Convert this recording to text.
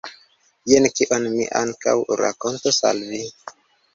Jen kion mi ankaŭ rakontos al vi.